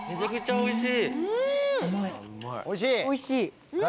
おいしい。